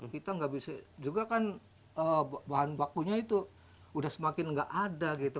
kita nggak bisa juga kan bahan bakunya itu udah semakin nggak ada gitu